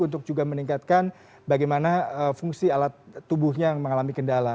untuk juga meningkatkan bagaimana fungsi alat tubuhnya yang mengalami kendala